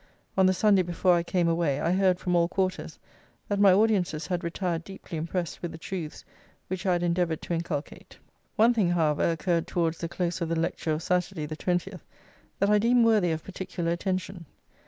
On the Sunday before I came away, I heard, from all quarters, that my audiences had retired deeply impressed with the truths which I had endeavoured to inculcate. One thing, however, occurred towards the close of the lecture of Saturday, the 20th, that I deem worthy of particular attention.